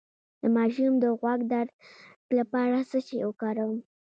د ماشوم د غوږ د درد لپاره څه شی وکاروم؟